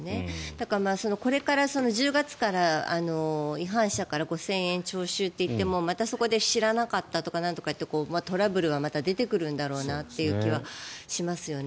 だから、これから１０月から違反者から５０００円徴収といってもまたそこで知らなかったとかなんとか言ってトラブルがまた出てくるんだろうなという気はしますよね。